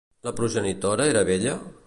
La progenitora era vella?